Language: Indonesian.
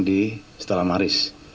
di setelah maris